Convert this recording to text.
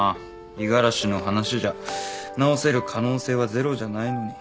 五十嵐の話じゃ治せる可能性はゼロじゃないのに。